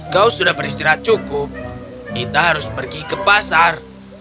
kau sudah beristirahat cukup kita harus pergi ke pasar